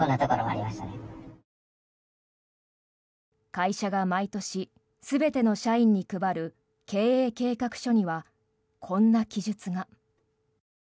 会社が毎年、全ての社員に配る経営計画書にはこんな記述が。